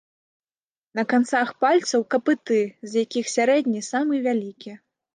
На канцах пальцаў капыты, з якіх сярэдні самы вялікі.